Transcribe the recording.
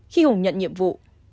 khi hùng nhận nhiệm vụ